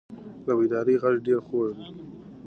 د بیدارۍ غږ ډېر خوږ دی.